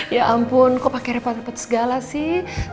ya ampun kok pakai repot repot segala sih